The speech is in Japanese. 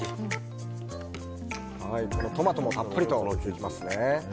トマトもたっぷりとのせますね。